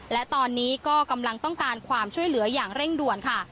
และตอนนี้ก็กำลังต้องการความช่วยเหลืออย่างเร่งด่วนค่ะ